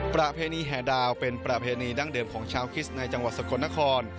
ประเพณีแห่ดาวเป็นประเพณีดั้งเดิมของชาวคริสต์ในจังหวัดสกลนคร